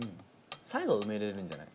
最後は埋めれるんじゃない？